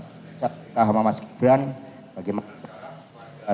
nah mas gibran bagaimana